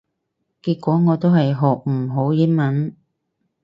結果我都係學唔好英文